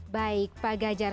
baik pak gajar